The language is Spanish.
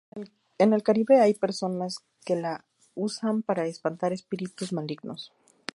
En el Caribe hay personas que la usan para espantar espíritus malignos.